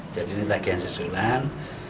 jadi ini tagihan susulan